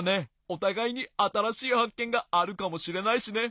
おたがいにあたらしいはっけんがあるかもしれないしね。